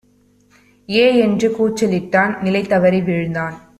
ஏ!என்று கூச்சலிட்டான்; நிலைதவறி வீழ்ந்தான்!